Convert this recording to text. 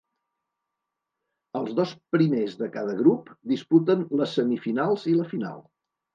Els dos primers de cada grup disputen les semifinals i la final.